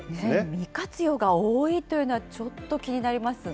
未活用が多いというのは、ちょっと気になりますね。